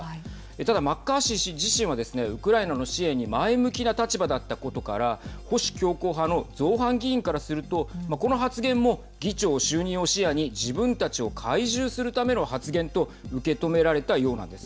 ただマッカーシー氏自身はですねウクライナの支援に前向きな立場だったことから保守強硬派の造反議員からするとこの発言も議長就任を視野に自分たちを懐柔するための発言と受け止められたようなんです。